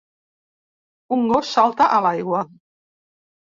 Un gos salta a l'aigua.